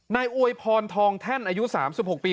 อวยพรทองแท่นอายุ๓๖ปี